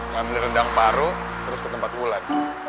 ngambil rendang paru terus ke tempat ulat